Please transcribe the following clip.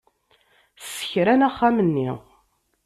Ssekran axxam-nni.